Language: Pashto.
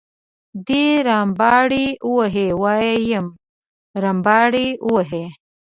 دی رمباړې وهي وایم رمباړې وهي.